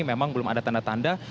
memang belum ada tanda tanda